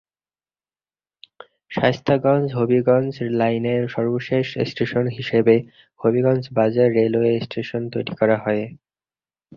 শায়েস্তাগঞ্জ -হবিগঞ্জ লাইনের সর্বশেষ স্টেশন হিসেবে হবিগঞ্জ বাজার রেলওয়ে স্টেশন তৈরি করা হয়ে।